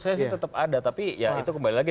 saya sih tetap ada tapi ya itu kembali lagi